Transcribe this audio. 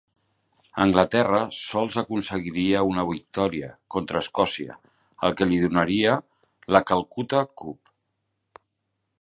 Anglaterra sols aconseguiria una victòria, contra Escòcia, el que li donaria la Calcuta Cup.